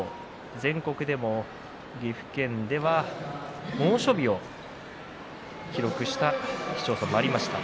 全国でも岐阜県では猛暑日を記録した市町村もありました。